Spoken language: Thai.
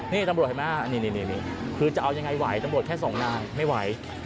นี่ตำรวจเห็นไหมนี่คือจะเอายังไงไหวตำรวจแค่สองนายไม่ไหว